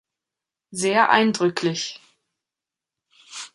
Sehr eindrücklich!